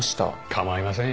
構いませんよ。